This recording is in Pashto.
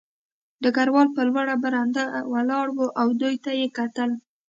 ډګروال په لوړه برنډه ولاړ و او دوی ته یې کتل